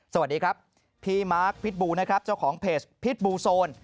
สวัสดีครับพี่มาร์คพิษบูนะครับเจ้าของเพจพิษบูโซน